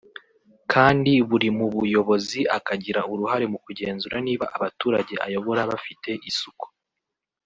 kandi buri mu buyobozi akagira uruhare mu kugenzura niba abaturage ayobora bafite isuku